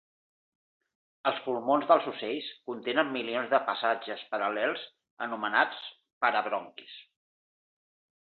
Els pulmons dels ocells contenen milions de passatges paral·lels anomenats parabronquis.